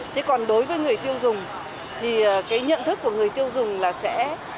thế còn đối với người tiêu dùng thì cái nhận thức của người tiêu dùng là sẽ